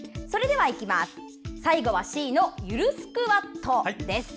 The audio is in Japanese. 最後はＣのゆるスクワットです。